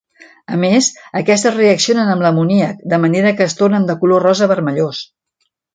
A més, aquestes reaccionen amb l'amoníac, de manera que es tornen de color rosa vermellós.